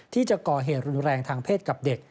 ที่จะก่อเหตุรุนแรงทางเพศกับเด็ก